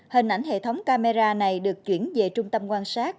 hình ảnh hệ thống camera này được chuyển về trung tâm quan sát